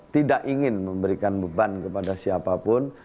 tidak ingin memberikan beban kepada siapapun